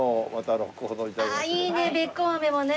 ああいいねべっこう飴もね。